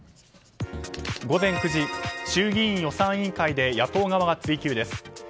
午前９時、衆議院予算委員会で野党側が追及です。